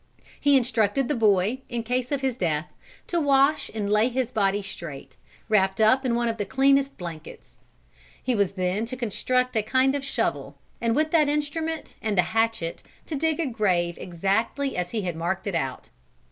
"He instructed the boy, in case of his death, to wash and lay his body straight, wrapped up in one of the cleanest blankets. He was then to construct a kind of shovel, and with that instrument and the hatchet to dig a grave exactly as he had marked it out.